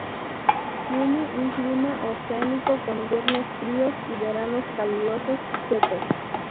Tiene un clima oceánico con inviernos fríos y veranos calurosos y secos.